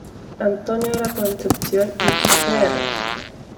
Antonio de la Concepción y fr.